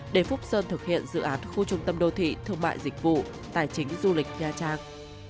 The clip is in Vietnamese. để phúc sơn thực hiện dự án khu trung tâm đô thị thương mại dịch vụ tài chính du lịch nha trang